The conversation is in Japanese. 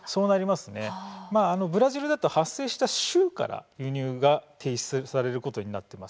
まあブラジルだと発生した州から輸入が停止されることになってます。